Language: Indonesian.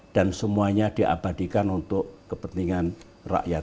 dan semuanya diabadikan untuk kepentingan rakyat